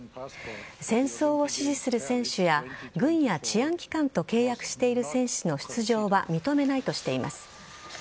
戦争を支持する選手や軍や治安機関と契約している選手の出場は認めないとしています。